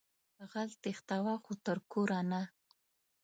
غل تېښتوه خو تر کوره نه